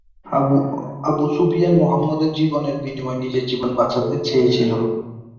Abu Sufyan মুহাম্মদের জীবনের বিনিময়ে নিজের জীবন বাঁচাতে চেয়েছিল।